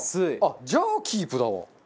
じゃあキープだわ。